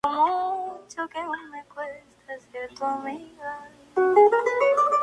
Las monedas de oro fueron de onzas, medias onzas y escudo de oro.